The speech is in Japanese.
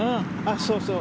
そうそう。